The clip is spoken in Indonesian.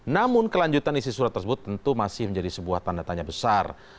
namun kelanjutan isi surat tersebut tentu masih menjadi sebuah tanda tanya besar